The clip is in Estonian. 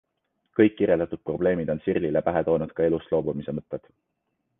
Kõik kirjeldatud probleemid on Sirlile pähe toonud ka elust loobumise mõtteid.